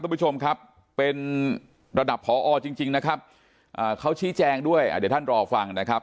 คุณผู้ชมครับเป็นระดับพอจริงจริงนะครับเขาชี้แจงด้วยเดี๋ยวท่านรอฟังนะครับ